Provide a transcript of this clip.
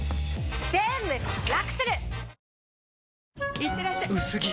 いってらっしゃ薄着！